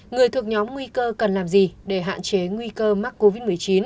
người thuộc nhóm nguy cơ cần làm gì để hạn chế nguy cơ mắc covid một mươi chín